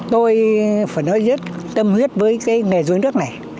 tôi phải nói rất tâm huyết với cái nghề rốn nước này